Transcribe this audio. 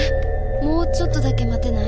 もうちょっとだけ待てない？